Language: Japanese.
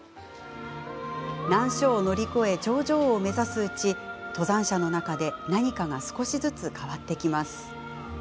難所を乗り越え頂上を目指すうち登山者の中で何かが少しずつ変わってきます。